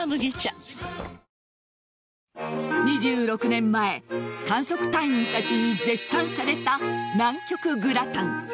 ２６年前観測隊員たちに絶賛された南極グラタン。